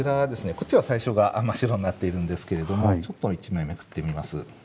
こっちは最初が真っ白になっているんですけれどもちょっと１枚めくってみます。